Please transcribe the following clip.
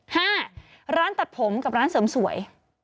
ห้าร้านตัดผมกับร้านเสริมสวย